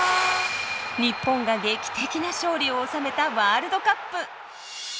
日本が劇的な勝利を収めたワールドカップ。